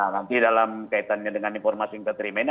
nanti dalam kaitannya dengan informasi yang kita terima ini